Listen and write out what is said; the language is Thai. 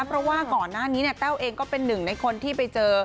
เพราะว่าก่อนหน้านี้เนี่ยแต้วเองก็เป็นหนึ่งในคนที่ไปเจอ